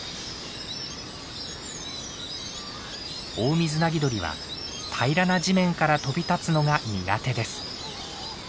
オオミズナギドリは平らな地面から飛び立つのが苦手です。